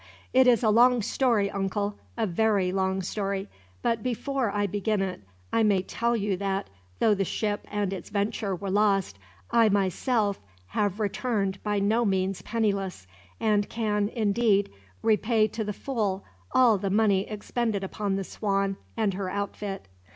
"It is a long story, uncle. A very long story. But before I begin it, I may tell you that, though the ship and its venture were lost, I myself have returned by no means penniless; and can, indeed, repay to the full all the money expended upon the Swan and her outfit.